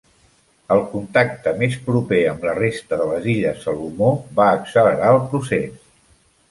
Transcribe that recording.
El contacte més proper amb la resta de les Illes Salomó va accelerar el procés.